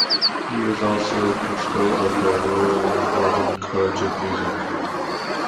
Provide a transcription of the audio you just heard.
He was also principal of the Royal Northern College of Music.